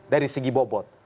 dari segi bobot